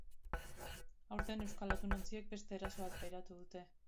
Aurten, euskal atunontziek beste eraso bat pairatu dute.